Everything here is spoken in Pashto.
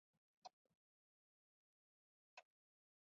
لا رایجا له بونیس ایرس څخه بل شان ورته والی درلود.